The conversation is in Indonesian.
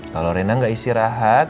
kalau rena gak istirahat